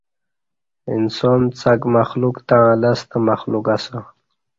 انسان څک مخلوق تݩع لستہ مخلوق اسہ